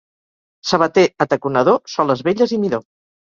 Sabater ataconador, soles velles i midó.